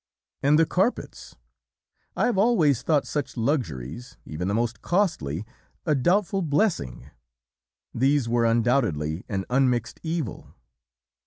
"And the carpets! I have always thought such luxuries, even the most costly, a doubtful blessing; these were undoubtedly an unmixed evil.